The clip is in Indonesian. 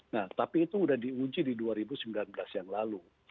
nah tapi itu sudah diuji di dua ribu sembilan belas yang lalu